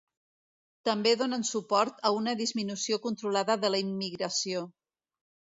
També donen suport a una disminució controlada de la immigració.